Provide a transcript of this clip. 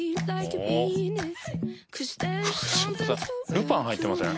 ルパン入ってません？